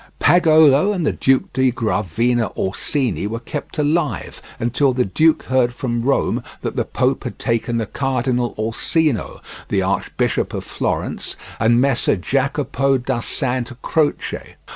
Pagolo and the Duke di Gravina Orsini were kept alive until the duke heard from Rome that the pope had taken the Cardinal Orsino, the Archbishop of Florence, and Messer Jacopo da Santa Croce.